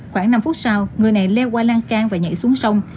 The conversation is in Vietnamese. khoảng năm phút sau người này leo qua lan can và nhảy xuống sông